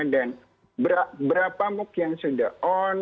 dan berapa muk yang sudah on